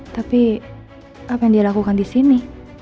tapi apa yang dia lakukan di sini